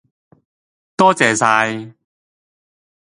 多謝晒